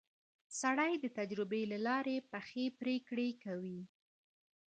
سړی د تجربې له لارې پخې پرېکړې کوي